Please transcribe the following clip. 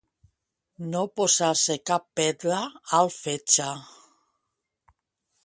No posar-se cap pedra al fetge.